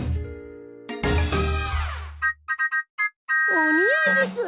おにあいです！